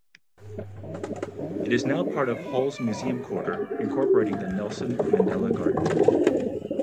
It is now part of Hull's Museum Quarter incorporating the Nelson Mandela garden.